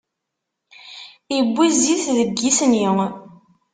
Iwwi zzit deg yisni.